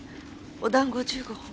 お団子を１５本。